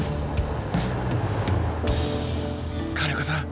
金子さん